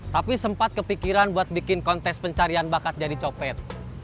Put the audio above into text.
tapi sempat kepikiran buat bikin kontes pencarian bakat jadi copet